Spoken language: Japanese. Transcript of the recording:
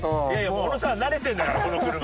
小野さん慣れてんだからこの車。